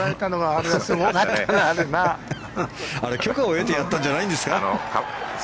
あれ、許可を得てやったんじゃないですか。